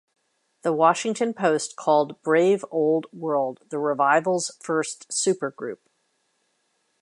The Washington Post called Brave Old World the revival's first supergroup.